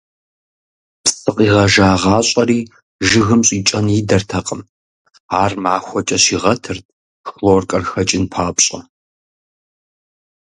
Псы къигъэжагъащӀэри жыгым щӀикӀэн идэртэкъым, ар махуэкӀэ щигъэтырт, хлоркэр хэкӀын папщӀэ.